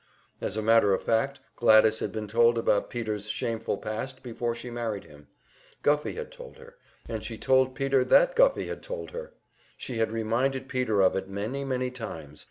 As a matter of fact Gladys had been told about Peter's shameful past before she married him; Guffey had told her, and she had told Peter that Guffey had told her, she had reminded Peter of it many, many times.